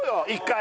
１回。